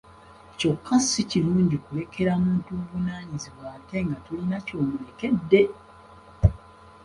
Kyokka si kirungi kulekera muntu buvunaanyizibwa ate nga tolina ky'omulekedde!